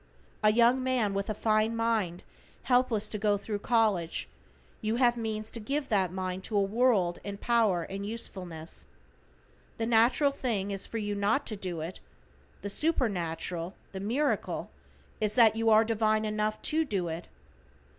A young man with a fine mind, helpless to go thru college, you have means to give that mind to a world in power and usefulness. The natural thing is for you not to do it, the supernatural, the miracle, is that you are divine enough to do it.